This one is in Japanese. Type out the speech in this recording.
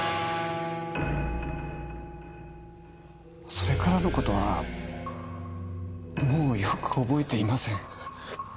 それからの事はもうよく覚えていません。